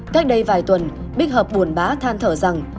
cách đây vài tuần bích hợp buồn bá than thở rằng